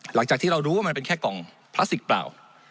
หลังจากที่เรารู้ว่ามันเป็นแค่กล่องพลาสติกเปล่า